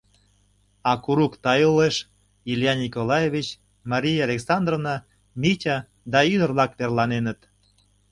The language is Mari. А курык тайылеш Илья Николаевич, Мария Александровна, Митя да ӱдыр-влак верланеныт.